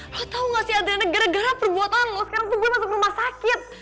lo tau ga sih adriana gara gara perbuatan lo sekarang tuh gue masuk rumah sakit